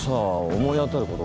思い当たることが。